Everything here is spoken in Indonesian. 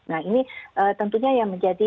nah ini tentunya yang menjadi